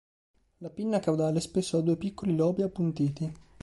La pinna caudale spesso ha due piccoli lobi appuntiti.